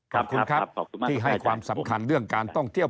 ขอบคุณครับที่ให้ความสำคัญเรื่องการท่องเที่ยว